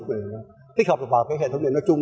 để tích hợp vào cái hệ thống điện nói chung